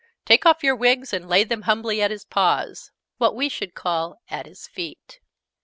"Take off your wigs, and lay them humbly at his paws." (What we should call "at his feet.")